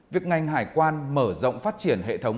việc ngành hải quan mở rộng phát triển hệ thống